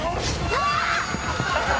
あっ！